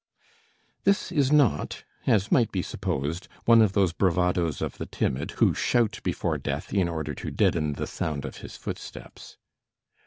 This is not, as might be supposed, one of those bravadoes of the timid, who shout before Death in order to deaden the sound of his footsteps.